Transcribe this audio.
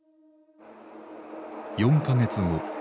４か月後。